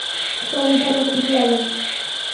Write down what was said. চমক দেয়ার মতো কিছু লাগে।